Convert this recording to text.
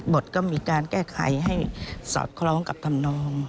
ตก็มีการแก้ไขให้สอดคล้องกับธรรมนอง